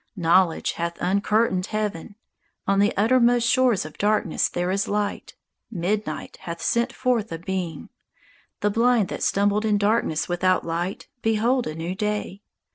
Knowledge hath uncurtained heaven; On the uttermost shores of darkness there is light; Midnight hath sent forth a beam! The blind that stumbled in darkness without light Behold a new day!